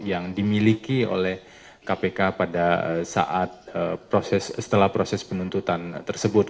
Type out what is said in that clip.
yang dimiliki oleh kpk pada saat proses setelah proses penuntutan tersebut